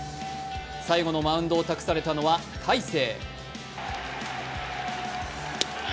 最後のマウンドを託されたのは大勢。